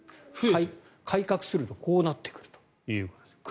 改革するとこうなってくるということです。